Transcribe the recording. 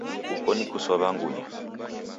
Uko ni kusow'a ngunya.